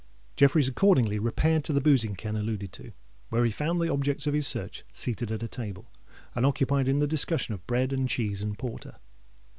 Jeffreys accordingly repaired to the boozing ken alluded to, where he found the objects of his search seated at a table, and occupied in the discussion of bread and cheese and porter.